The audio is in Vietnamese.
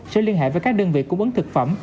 sẽ liên hệ với các đơn vị cung ứng thực phẩm